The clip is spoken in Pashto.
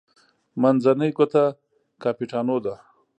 منځنۍ ګوته کاپیټانو ده.